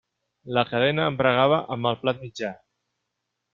La cadena embragava amb el plat mitjà.